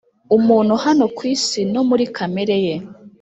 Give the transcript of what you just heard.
umuntu hano ku isi no muri kamere ye